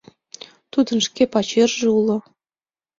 — Тудын шке пачерже уло.